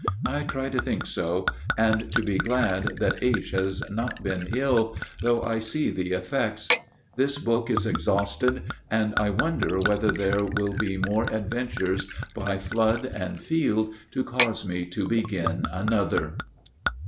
I try to think so, and to be glad that H. has not been ill, though I see the effects. This book is exhausted, and I wonder whether there will be more adventures by flood and field to cause me to begin another.